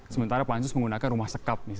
sementara pansus menggunakan rumah sekap